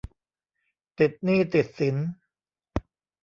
ติดหนี้ติดสิน